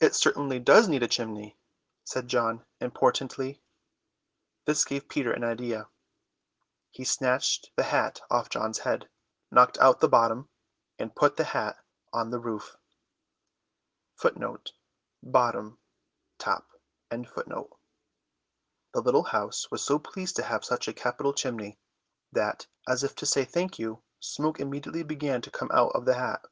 "It certainly does need a chimney," said John importantly. This gave Peter an idea. He snatched the hat off John's head, knocked out the bottom, and put the hat on the roof. The little house was so pleased to have such a capital chimney that, as if to say thank you, smoke immediately began to come out of the hat.